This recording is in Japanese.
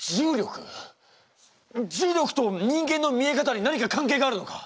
重力と人間の見え方に何か関係があるのか？